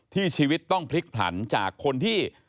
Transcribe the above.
ชีวิตต้องพลิกผลันจากคนที่